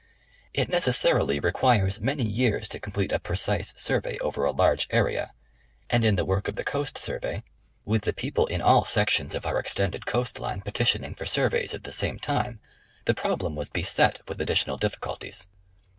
It necessarily requires many years to complete a precise survey over a large area ; and in the work of the Coast Survey, with the people in 74: National Geographic Magazine. all sections of our extended coast line petitioning for surveys at the same time, the problem was beset with additional difficulties.